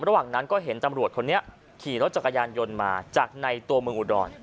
ระหว่างนั้นก็เห็นตำรวจคนนี้ขี่รถจักรยานยนต์มาจากในตัวเมืองอุดร